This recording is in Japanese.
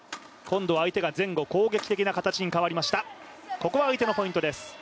ここは相手のポイントです。